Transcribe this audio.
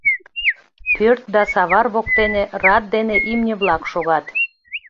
Пӧрт да савар воктене рад дене имне-влак шогат.